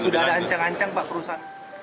sudah ada ancang ancang pak perusahaan